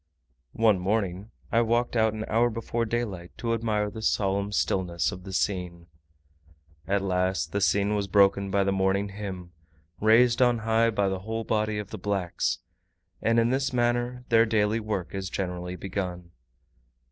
One morning I walked out an hour before daylight to admire the solemn stillness of the scene; at last, the silence was broken by the morning hymn, raised on high by the whole body of the blacks; and in this manner their daily work is generally begun.